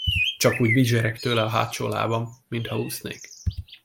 Csak úgy bizsereg tőle a hátsó lábam, mintha úsznék.